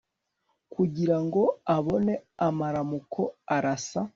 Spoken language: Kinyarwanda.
kugirango abone amaramuko arasa